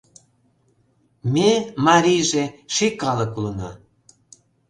Ме, марийже, ший калык улына.